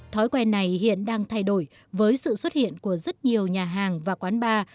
thói quen này hiện đang thay đổi với sự xuất hiện của rất nhiều nhà hàng và quán bar